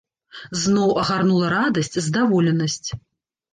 Зноў агарнула радасць, здаволенасць.